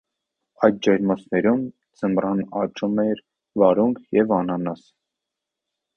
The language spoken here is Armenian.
Այդ ջերմոցում ձմռանն աճում էր վարունգ և անանաս։